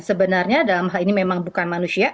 sebenarnya dalam hal ini memang bukan manusia